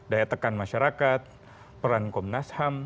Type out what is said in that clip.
daya tekan masyarakat peran komnas ham